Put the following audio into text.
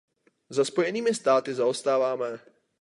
Za Spojenými státy zaostáváme.